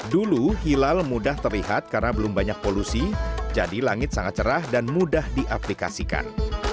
dulu hilal mudah terlihat karena belum banyak polusi jadi langit sangat cerah dan mudah diaplikasikan